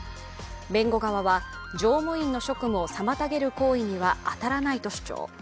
弁護側は、乗務員の職務を妨げる行為には当たらないと主張。